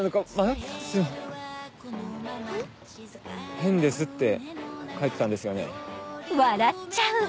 「変です」って書いてたんですよね？